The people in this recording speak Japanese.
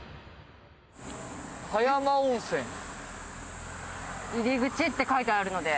「葉山温泉」「入口」って書いてあるので。